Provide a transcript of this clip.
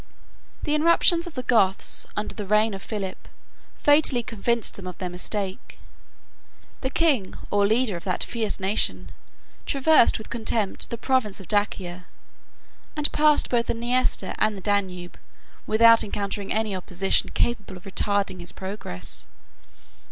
The irruptions of the Goths, under the reign of Philip, fatally convinced them of their mistake. The king, or leader, of that fierce nation, traversed with contempt the province of Dacia, and passed both the Niester and the Danube without encountering any opposition capable of retarding his progress.